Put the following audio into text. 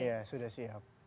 iya sudah siap